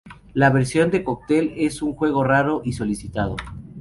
La versión de cóctel es un juego raro y solicitado.